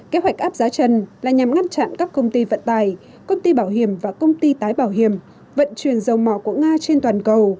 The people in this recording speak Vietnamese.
kế hoạch áp giá trần là nhằm ngăn chặn các công ty vận tải công ty bảo hiểm và công ty tái bảo hiểm vận chuyển dầu mỏ của nga trên toàn cầu